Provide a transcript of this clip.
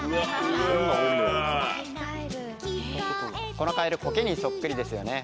このカエルコケにそっくりですよね。